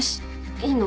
いいの？